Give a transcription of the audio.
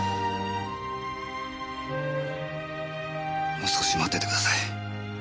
もう少し待っててください。